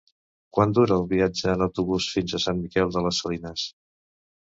Quant dura el viatge en autobús fins a Sant Miquel de les Salines?